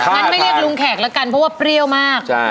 งั้นไม่เรียกลุงแขกแล้วกันเพราะว่าเปรี้ยวมาก